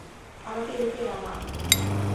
আমাকে নিচে নামা!